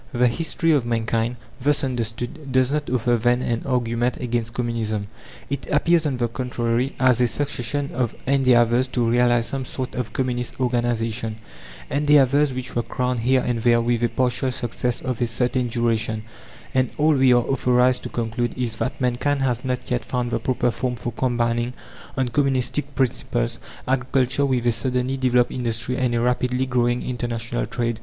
The history of mankind, thus understood, does not offer, then, an argument against Communism. It appears, on the contrary, as a succession of endeavours to realize some sort of communist organization, endeavours which were crowned here and there with a partial success of a certain duration; and all we are authorized to conclude is, that mankind has not yet found the proper form for combining, on communistic principles, agriculture with a suddenly developed industry and a rapidly growing international trade.